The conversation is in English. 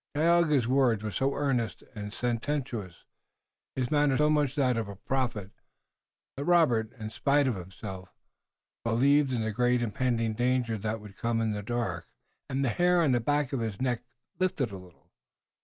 Tayoga's words were so earnest and sententious, his manner so much that of a prophet, that Robert, in spite of himself, believed in the great impending danger that would come in the dark, and the hair on the back of his neck lifted a little.